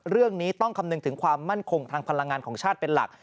เรื่องนี้ต้องคำนึงถึงความมั่นคงทางพลังงานของชาติเป็นหลัก